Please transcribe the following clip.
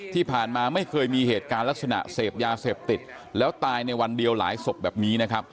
ที่ผ่านมาไม่เคยมีเหตุการณ์ลักษณะเสพยาเสพติดแล้วตายในวันเดียวหลายศพแบบนี้นะครับ